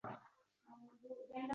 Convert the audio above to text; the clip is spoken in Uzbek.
Kamiga pnevmoniya orttirib kelgandi.